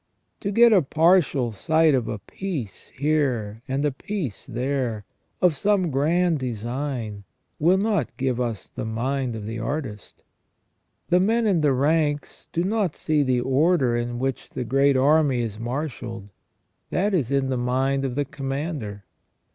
To get a partial sight of a piece here and a piece there of some grand design will not give us the mind of the artist. The men in the ranks do not see the order in which the great army is marshalled, that is in the mind of the commander.